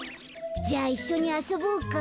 じゃあいっしょにあそぼうか。